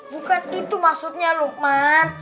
bukan itu maksudnya luqman